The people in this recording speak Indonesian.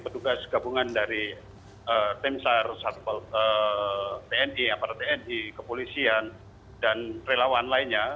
tugas gabungan dari tni kepolisian dan relawan lainnya